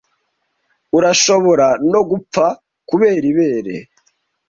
urashobora no gupfa kubera ibere